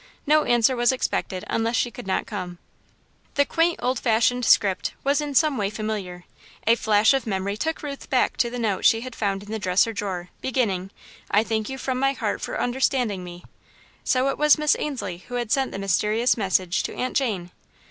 No answer was expected unless she could not come. The quaint, old fashioned script was in some way familiar. A flash of memory took Ruth back to the note she had found in the dresser drawer, beginning: "I thank you from my heart for understanding me." So it was Miss Ainslie who had sent the mysterious message to Aunt Jane.